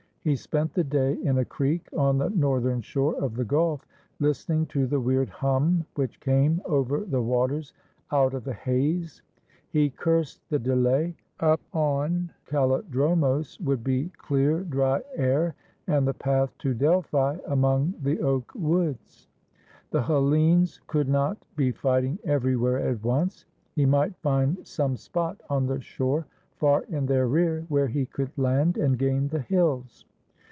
He spent the day in a creek on the northern shore of the gulf, listening to the weird hum which came over the waters out of the haze. He cursed the delay. Up on Kallidromos would be clear, dry air and the path to Delphi among the oak woods. The Hellenes could not be fighting everywhere at once. He might find some spot on the shore far in their rear, where he could land and gain the hills.